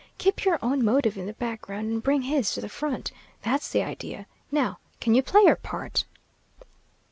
Keep your own motive in the background and bring his to the front. That's the idea. Now, can you play your part?"